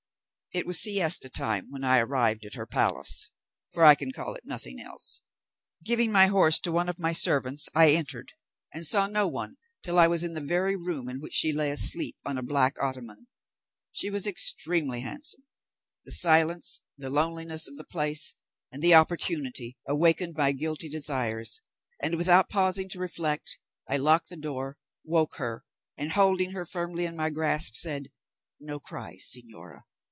It was siesta time when I arrived at her palace (for I can call it nothing else): giving my horse to one of my servants, I entered, and saw no one till I was in the very room in which she lay asleep on a black ottoman. She was extremely handsome; the silence, the loneliness of the place, and the opportunity, awakened my guilty desires, and without pausing to reflect, I locked the door, woke her, and holding her firmly in my grasp said, 'No cries, señora!